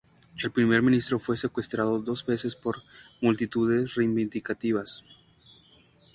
El primer ministro fue secuestrado dos veces por multitudes reivindicativas.